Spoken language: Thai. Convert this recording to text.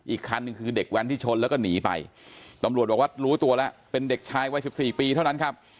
อีกคันหนึ่งคือเด็กแว้นที่ชนแล้วก็หนีไปตำรวจบอกว่ารู้ตัวแล้วเป็นเด็กชายวัยสิบสี่ปีเท่านั้นครับ